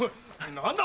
何だ